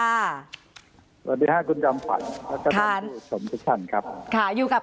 สวัสดีค่ะคุณจำฝันอาจารย์ภัยบูลสมชัย